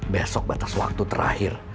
besok batas waktu terakhir